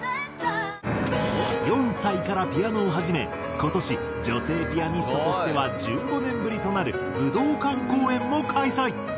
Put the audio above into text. ４歳からピアノを始め今年女性ピアニストとしては１５年ぶりとなる武道館公演も開催。